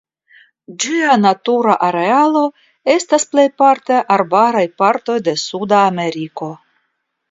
Ĝia natura arealo estas plejparte arbaraj partoj de Suda Ameriko.